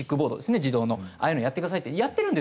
自動のああいうのやってくださいってやってるんですよ。